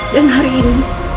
dan hari ini